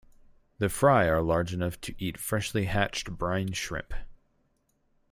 The fry are large enough to eat freshly-hatched brine shrimp.